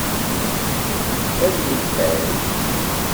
Ad yeffad.